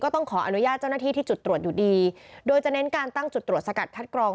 ต้องขออนุญาตเจ้าหน้าที่ที่จุดตรวจอยู่ดีโดยจะเน้นการตั้งจุดตรวจสกัดคัดกรอง